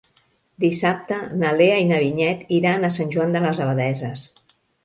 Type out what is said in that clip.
Dissabte na Lea i na Vinyet iran a Sant Joan de les Abadesses.